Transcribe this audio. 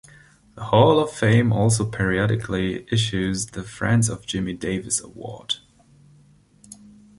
The Hall of Fame also periodically issues the "Friends of Jimmie Davis Award".